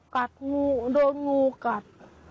กัดงูโดนงูกัด